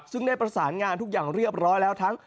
ซึ่งได้ประสานงานทุกอย่างเรียบร้อยแล้วทั้ง